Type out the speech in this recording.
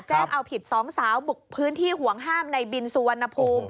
เอาผิดสองสาวบุกพื้นที่ห่วงห้ามในบินสุวรรณภูมิ